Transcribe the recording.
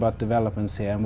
như giám đốc việt nam